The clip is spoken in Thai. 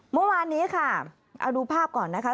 เมื่อวานนี้ค่ะเอาดูภาพก่อนนะคะ